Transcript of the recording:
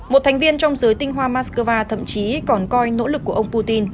một thành viên trong giới tinh hoa moscow thậm chí còn coi nỗ lực của ông putin